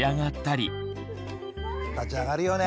立ち上がるよね！